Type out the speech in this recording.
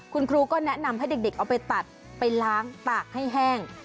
คุณครูก็แนะนำให้เด็กเอาไปตัดไปล้างตากให้แห้ง